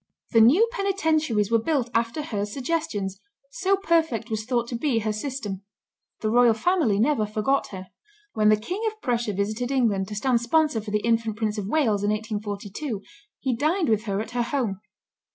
The new penitentiaries were built after her suggestions, so perfect was thought to be her system. The royal family never forget her. When the King of Prussia visited England, to stand sponsor for the infant Prince of Wales, in 1842, he dined with her at her home.